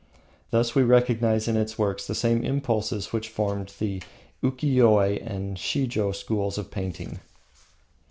Thus we recognise in its works the same impulses which formed the Ukiyoe and Shijo schools of painting.